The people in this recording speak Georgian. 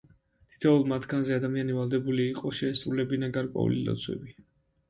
თითოეულ მათგანზე ადამიანი ვალდებული იყო შეესრულებინა გარკვეული ლოცვები.